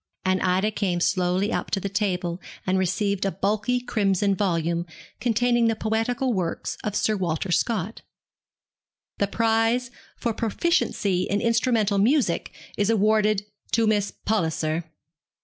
and Ida came slowly up to the table and received a bulky crimson volume, containing the poetical works of Sir Walter Scott. 'The prize for proficiency in instrumental music is awarded to Miss Palliser!'